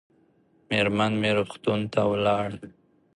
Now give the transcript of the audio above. مېرمن مې روغتون ته ولاړه